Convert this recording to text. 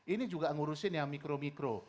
ini juga ngurusin yang mikro mikro